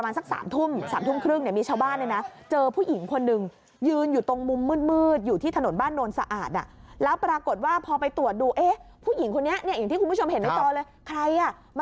มันอีกที่เราไปเช็บไว้คุณแล้วบ่มากจะเช็บ